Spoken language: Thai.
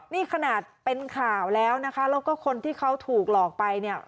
นี่ขนาดเป็นข่าวแล้วนะคะแล้วก็คนที่เขาถูกหลอกไปเนี่ย